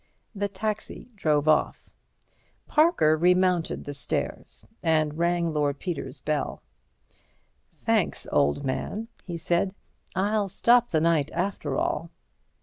The taxi drove off. Parker remounted the stairs and rang Lord Peter's bell. "Thanks, old man," he said. "I'll stop the night, after all."